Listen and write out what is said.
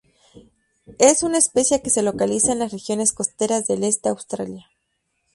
Es una especie que se localiza en las regiones costeras del este Australia.